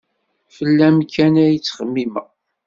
Fell-am kan i ttxemmimeɣ.